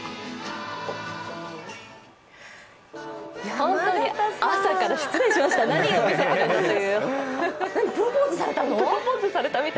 ホントに朝から失礼しました。